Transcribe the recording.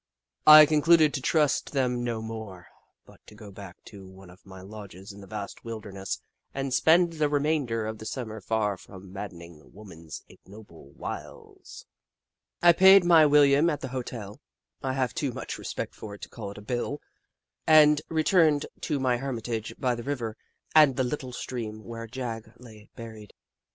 I concluded to trust them no more, but to go back to one of my lodges in the vast wilderness and spend the remainder of the Summer far from madden ing woman's ignoble wiles. I paid my William at the hotel — I have too much respect for it to call it a bill — and re turned to my hermitage by the river and the little stream, where Jagg lay buried.